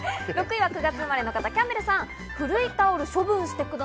６位は９月生まれの方、キャンベルさん。